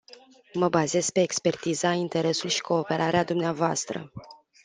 Mă bazez pe expertiza, interesul și cooperarea dvs.